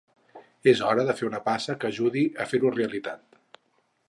És hora de fer una passa que ajudi a fer-ho realitat.